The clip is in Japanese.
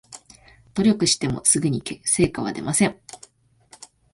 努力してもすぐに成果は出ません